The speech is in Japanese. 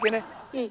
うん。